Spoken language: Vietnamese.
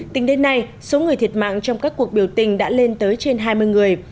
tính đến nay số người thiệt mạng trong các cuộc biểu tình đã lên tới trên hai mươi người